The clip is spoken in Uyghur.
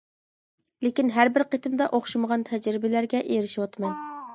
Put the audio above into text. لېكىن ھەربىر قېتىمدا ئوخشىمىغان تەجرىبىلەرگە ئېرىشىۋاتىمەن.